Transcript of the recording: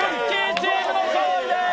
チームの勝利です。